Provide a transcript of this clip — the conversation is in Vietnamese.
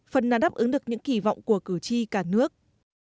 phần nào đáp ứng được những kỳ vọng của cử tri cả nước